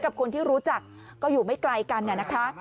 กับคนที่รู้จักก็อยู่ไม่ไกลกันนะคะ